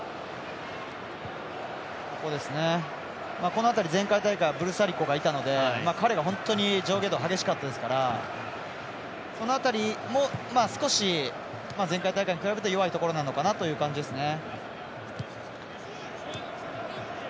この辺り前回大会はブルサリコがいたので彼が、本当に上下動が激しかったのでその辺りも少し前回大会に比べたら弱いのかなというところですね。